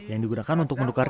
yang digunakan untuk menukar